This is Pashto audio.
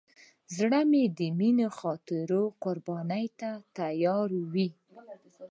زړه د مینې له خاطره قرباني ته تیار وي.